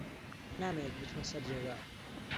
نامەوێت بچمە سەر جێگا.